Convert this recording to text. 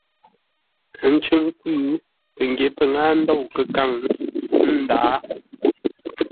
Ə́ ncʉ́ʼ nkwʉ́. Pəngyě pə́ ŋâa ndôu kə́káŋ, ə́ ndǎa.